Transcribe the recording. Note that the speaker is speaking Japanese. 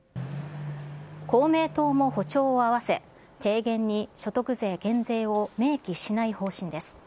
公明党も歩調を合わせ、提言に所得税減税を明記しない方針です。